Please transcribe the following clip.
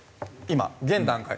今現段階。